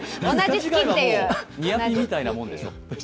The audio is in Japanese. ニアピンみたいなもんでしょう。